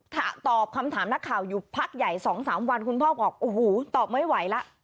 ถ้าตอบคำถามนักข่าวอยู่พักใหญ่๒๓วันคุณพ่อบอกโอ้โหตอบไม่ไหวแล้ว